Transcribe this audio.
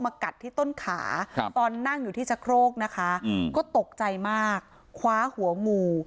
กัดที่ต้นขาตอนนั่งอยู่ที่ชะโครกนะคะก็ตกใจมากคว้าหัวงู